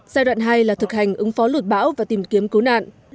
giai đoạn hai là thực hành ứng phó lụt bão và tìm kiếm cứu nạn